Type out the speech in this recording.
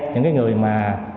những người mà